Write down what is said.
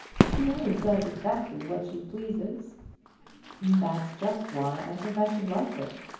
She always does exactly what she pleases." "That's just why I think I should like her.